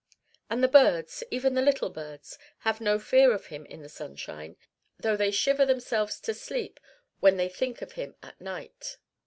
And the birds, even the little birds, have no fear of him in the sunshine; though they shiver themselves to sleep when they think of him at night.